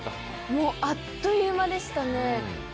もうあっという間でしたね。